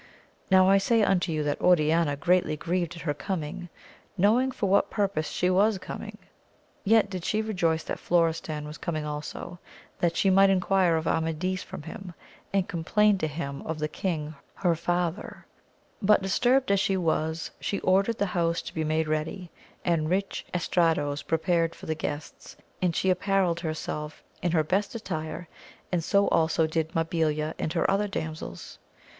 Now I say unto you that Oriana greatly grieved at her coming, knowmg for what purpose she was coming ; yet did she rejoice that Florestan was AMADIS OF GAUL. 16 coining also, that she might enquire of Amadis from him, and complain to him of the king her father ; but disturbed as she was she ordered the house to be made ready, and rich estrados prepared for the guests, and she apparelled herself in her best attire, and so also did Mabilia and her other damsels.